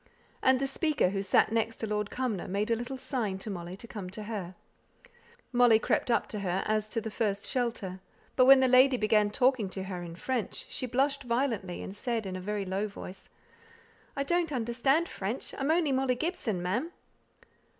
And the speaker, who sate next to Lord Cumnor, made a little sign to Molly to come to her; Molly crept up to her as to the first shelter; but when the lady began talking to her in French, she blushed violently, and said in a very low voice, "I don't understand French. I'm only Molly Gibson, ma'am."